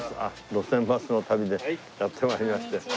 『路線バスの旅』でやって参りまして。